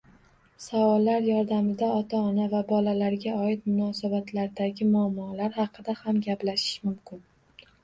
Savollar yordamida ota-ona va bolalarga oid munosabatlardagi muammolar haqida ham gaplashish mumkin